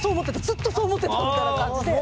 ずっとそう思ってた！」みたいな感じで。